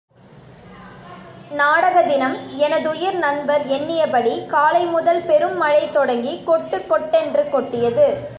நாடக தினம் எனதுயிர் நண்பர் எண்ணியபடி காலை முதல் பெரும் மழை தொடங்கி, கொட்டு கொட்டென்று கொட்டியது.